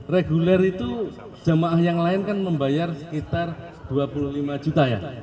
reguler itu jamaah yang lain kan membayar sekitar dua puluh lima juta ya